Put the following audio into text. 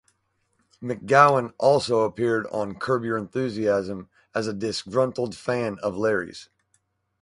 McGowan also appeared on "Curb Your Enthusiasm" as a disgruntled fan of Larry's.